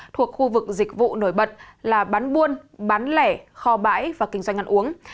thuộc khu vực dịch vụ nổi bật là bán buôn bán lẻ kho bãi và kinh doanh ăn uống